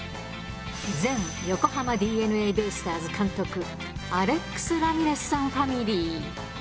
前横浜ＤｅＮＡベースターズ監督、アレックス・ラミレスさんファミリー。